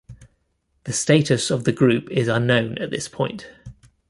The status of the group is unknown at this point.